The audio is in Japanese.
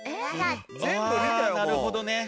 ああなるほどね。